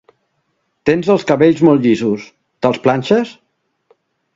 Tens els cabells molt llisos, te'ls planxes?